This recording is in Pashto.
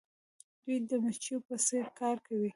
دوی د مچیو په څیر کار کوي.